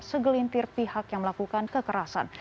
segelintir pihak yang melakukan kekerasan